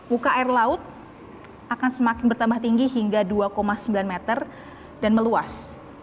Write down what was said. muka air laut akan semakin bertambah tinggi hingga dua sembilan meter dan meluas